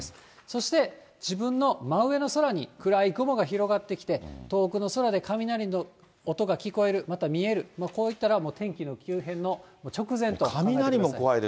そして、自分の真上の空に暗い雲が広がってきて、遠くの空で雷の音が聞こえる、また見える、こういったら、天気の急変の直前と考えてください。